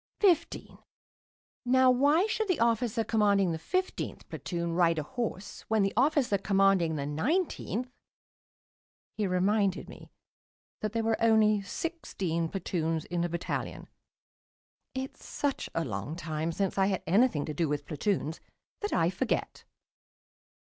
"Fifteen. Now, why should the officer commanding the fifteenth platoon ride a horse when the officer commanding the nineteenth " He reminded me that there were only sixteen platoons in a battalion. It's such a long time since I had anything to do with platoons that I forget.